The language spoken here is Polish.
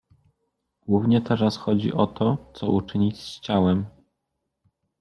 Głównie teraz chodzi o to, co uczynić z ciałem?